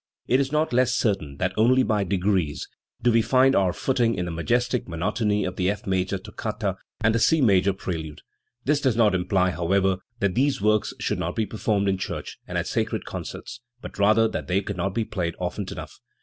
It is not less certain, that only by degrees do we find our footing in the majestic monotony of the F major toccata and the C major prelude. This does not imply, however, that these, works should not be performed in church and at sacred concerts, but rather that they cannot be played often enough.